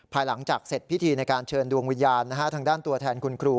หลังจากเสร็จพิธีในการเชิญดวงวิญญาณทางด้านตัวแทนคุณครู